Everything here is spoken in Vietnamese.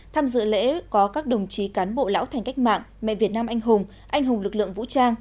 tham dự lễ có các đồng chí cán bộ lão thành cách mạng mẹ việt nam anh hùng anh hùng lực lượng vũ trang